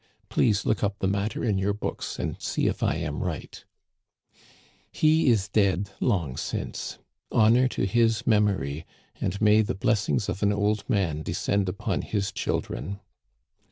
Please look up the matter in your books and see if I am right* " He is dead long since. Honor to his memory, and may the blessings of an old man descend upon his chil dren